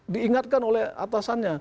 diingatkan oleh atasannya